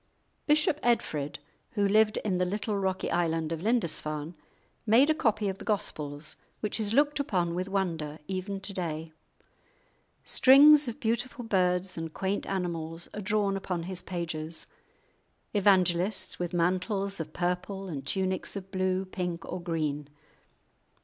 Bishop Edfrid, who lived in the little rocky island of Lindisfarne, made a copy of the Gospels, which is looked upon with wonder even to day. Strings of beautiful birds and quaint animals are drawn upon his pages; evangelists with mantles of purple and tunics of blue, pink, or green.